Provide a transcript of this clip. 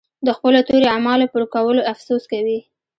د خپلو تېرو اعمالو پر کولو افسوس کوي.